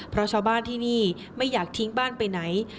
เพราะชาวบ้านที่นี่ไม่อยากทิ้งบ้านไปไหน